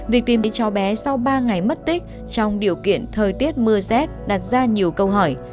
việc tìm đến cháu bé sau ba ngày mất tích trong điều kiện thời tiết mưa rét đặt ra nhiều câu hỏi